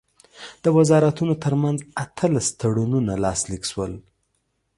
د وزارتونو ترمنځ اتلس تړونونه لاسلیک شول.